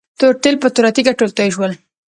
تور تیل په توره تيږه ټول توي شول.